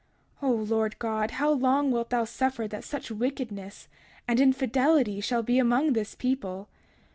31:30 O Lord God, how long wilt thou suffer that such wickedness and infidelity shall be among this people?